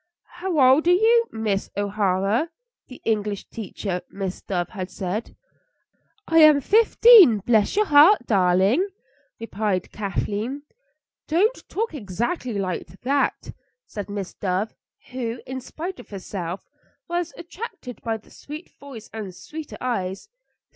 "How old are you, Miss O'Hara?" the English teacher, Miss Dove, had said. "I am fifteen, bless your heart, darling!" replied Kathleen. "Don't talk exactly like that," said Miss Dove, who, in spite of herself, was attracted by the sweet voice and sweeter eyes.